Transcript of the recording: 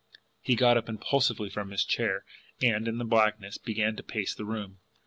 He got up impulsively from his chair, and, in the blackness, began to pace the room.